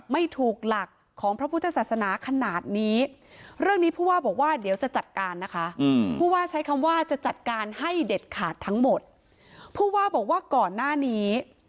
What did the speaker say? ให้เด็ดขาดทั้งหมดผู้ว่าบอกว่าก่อนหน้านี้